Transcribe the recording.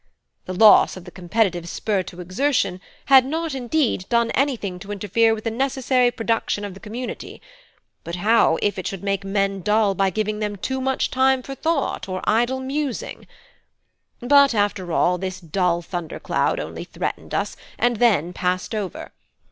The loss of the competitive spur to exertion had not, indeed, done anything to interfere with the necessary production of the community, but how if it should make men dull by giving them too much time for thought or idle musing? But, after all, this dull thunder cloud only threatened us, and then passed over.